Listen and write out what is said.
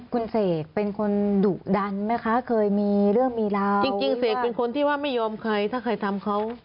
คุณเสกเป็นคนดุดันไหมคะเคยมีเรื่องมีราวจริงเสกเป็นคนที่ว่าไม่ยอมเคยถ้าเคยทำเขา